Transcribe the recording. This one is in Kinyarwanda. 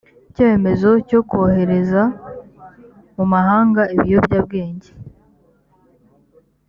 icyemezo cyo kohereza mu mahanga ibiyobyabwenge